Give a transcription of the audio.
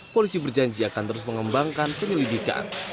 polisi berjanji akan terus mengembangkan penyelidikan